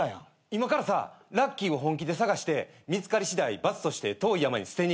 今からさラッキーを本気で捜して見つかり次第罰として遠い山に捨てに行こう。